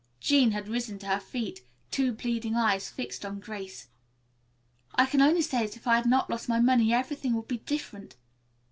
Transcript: Jean had risen to her feet, two pleading eyes fixed on Grace. "I can only say that if I had not lost my money everything would be different.